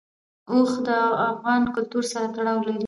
اوښ د افغان کلتور سره تړاو لري.